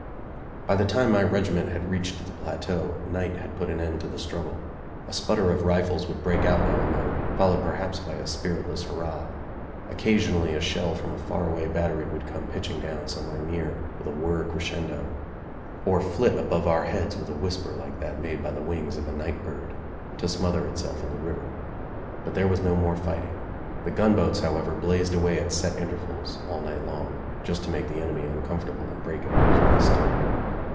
By the time my regiment had reached the plateau night had put an end to the struggle. A sputter of rifles would break out now and then, followed perhaps by a spiritless hurrah. Occasionally a shell from a far away battery would come pitching down somewhere near, with a whir crescendo, or flit above our heads with a whisper like that made by the wings of a night bird, to smother itself in the river. But there was no more fighting. The gunboats, however, blazed away at set intervals all night long, just to make the enemy uncomfortable and break him of his rest.